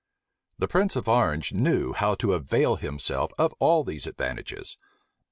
The prince of Orange knew how to avail himself of all these advantages.